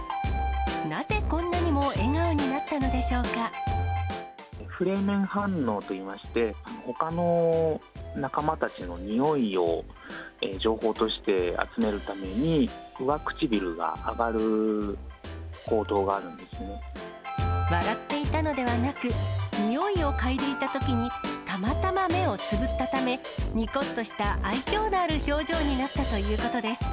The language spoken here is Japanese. なぜこんなにも笑顔になったのでフレーメン反応といいまして、ほかの仲間たちのにおいを情報として集めるために、笑っていたのではなく、においを嗅いでいたときに、たまたま目をつぶったため、にこっとした愛きょうのある表情になったということです。